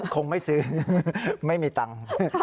คงไม่ซื้อไม่มีตังค์